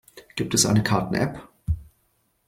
Gibt es eine Karten-App?